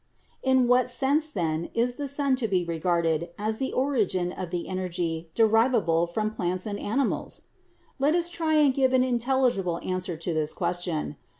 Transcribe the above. "In what sense, then, is the sun to be regarded as the origin of the energy derivable from plants and animals? Let us try and give an intelligible answer to this question.